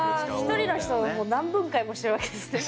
１人の人をもう何分解もしてるわけですね。